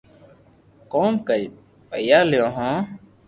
ڪوم ڪرين پيا ليو ھون